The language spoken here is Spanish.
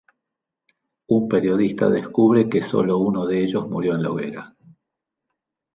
Un periodista descubre que sólo uno de ellos murió en la hoguera.